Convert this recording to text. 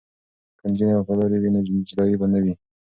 که نجونې وفادارې وي نو جدایی به نه وي.